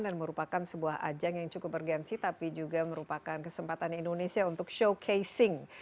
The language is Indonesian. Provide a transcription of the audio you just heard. dan merupakan sebuah ajang yang cukup bergensi tapi juga merupakan kesempatan indonesia untuk showcasing